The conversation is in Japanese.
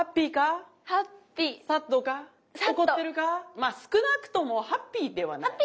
まあ少なくともハッピーではない。